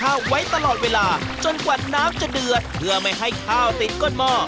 ไว้ตลอดเวลาจนกว่าน้ำจะเดือดเพื่อไม่ให้ข้าวติดก้นหม้อ